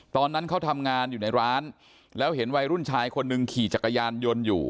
ตอนนั้นเขาทำงานอยู่ในร้านแล้วเห็นวัยรุ่นชายคนหนึ่งขี่จักรยานยนต์อยู่